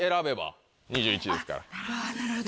なるほど。